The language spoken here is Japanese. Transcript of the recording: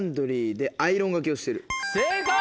正解！